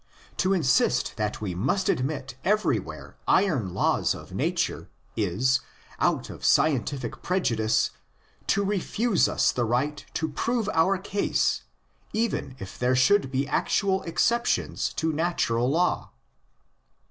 To insist that we must admit everywhere iron laws of nature is, out of scientific prejudice, to refuse us the right to prove our case even if there should be actual exceptions to natural law."